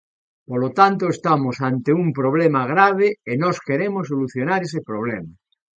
Polo tanto, estamos ante un problema grave, e nós queremos solucionar ese problema.